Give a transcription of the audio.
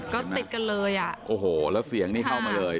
ก็ติดกันเลยอ่ะโอ้โหแล้วเสียงนี่เข้ามาเลย